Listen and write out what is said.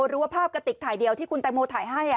หรือว่าภาพกระติกถ่ายเดียวที่คุณแตงโมถ่ายให้